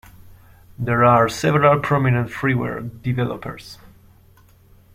There are several prominent freeware developers.